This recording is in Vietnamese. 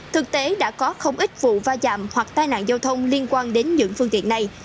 thực tế đã có không ít vụ va chạm hoặc tai nạn giao thông liên quan đến những phương tiện này